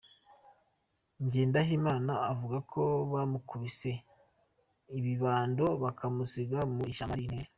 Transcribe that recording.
Ngendahimana avuga bamukubise ibibando bakamusiga mu ishyamba ari intere.